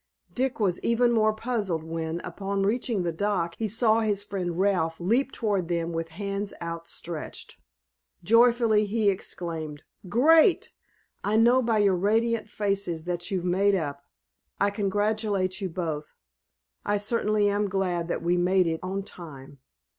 Dick was even more puzzled when, upon reaching the dock, he saw his friend Ralph leap toward them with hands outstretched. Joyfully he exclaimed: "Great. I know by your radiant faces that you've made up. I congratulate you both. I certainly am glad that we made it on time."